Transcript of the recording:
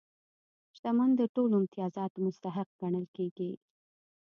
شتمن د ټولو امتیازاتو مستحق ګڼل کېږي.